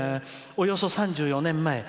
「およそ３４年前。